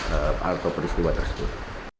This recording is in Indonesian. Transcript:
dalam proses atau peristiwa tersebut